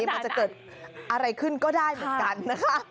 มันจะเกิดอะไรขึ้นก็ได้เหมือนกันนะคะ